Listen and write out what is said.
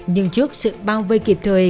nhưng trước sự bao vây kịp thời